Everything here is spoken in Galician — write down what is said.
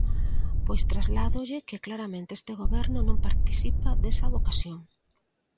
Pois trasládolle que claramente este Goberno non participa desa vocación.